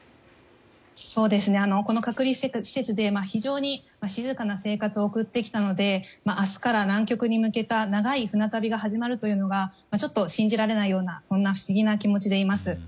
この隔離施設で、非常に静かな生活を送ってきたので明日から南極に向けた長旅が始まるというのがちょっと信じられないような不思議な気持ちでいます。